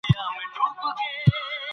د علمي میتودونو انتخاب د څېړنې پایله ټاکي.